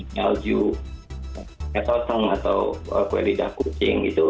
kastengel kastengel putri salju kasteng atau kue lidah kucing gitu